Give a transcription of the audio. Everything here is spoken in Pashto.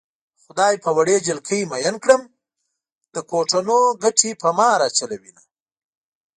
خدای په وړې جلکۍ مئين کړم د کوټنو ګټې په ما راچلوينه